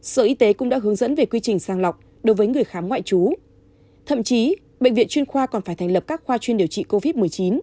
sở y tế cũng đã hướng dẫn về quy trình sang lọc đối với người khám ngoại trú thậm chí bệnh viện chuyên khoa còn phải thành lập các khoa chuyên điều trị covid một mươi chín